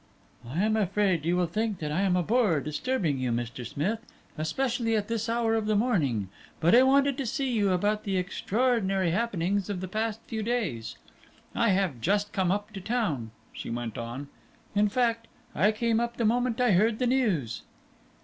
"I am afraid you will think I am a bore, disturbing you, Mr. Smith, especially at this hour of the morning, but I wanted to see you about the extraordinary happenings of the past few days. I have just come up to town," she went on; "in fact, I came up the moment I heard the news."